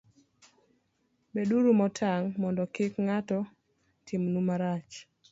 beduru motang' mondo kik ng'ato timnu marach.